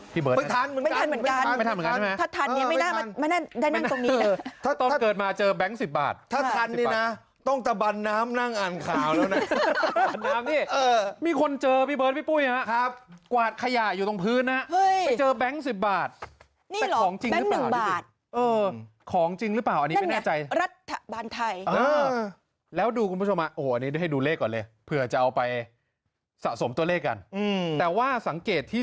พี่เบิร์ดไม่ทันเหมือนกัน